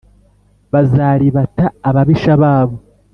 bazaribata abibisha babo